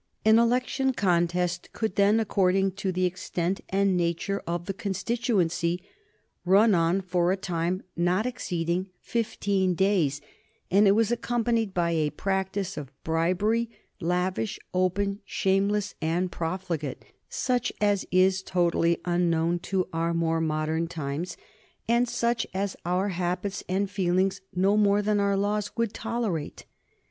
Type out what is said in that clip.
An election contest could then, according to the extent and nature of the constituency, run on for a time not exceeding fifteen days, and it was accompanied by a practice of bribery, lavish, open, shameless, and profligate, such as is totally unknown to our more modern times, and such as our habits and feelings, no more than our laws, would tolerate.